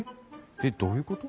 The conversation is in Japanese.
えっどういうこと？